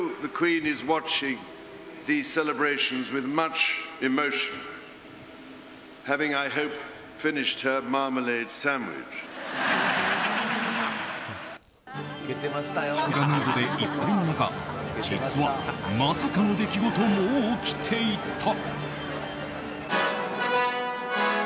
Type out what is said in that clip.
祝賀ムードでいっぱいの中実はまさかの出来事も起きていた。